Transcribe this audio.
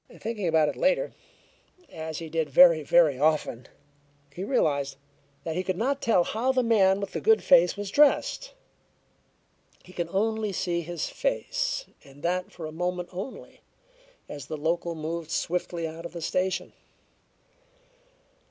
Thinking about it later, as he did very, very often, he realized that he could not tell how the man with the "good face" was dressed; he could see only his face, and that for a moment only, as the local moved swiftly out of the station.